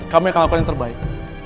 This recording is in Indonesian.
kamu yang akan lakukan yang terbaik